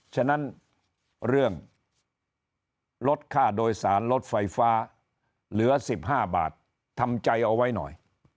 ฉะนั้นเรื่องลดค่าโดยสารลดไฟฟ้าเหลือ๑๕บาททำใจเอาไว้หน่อย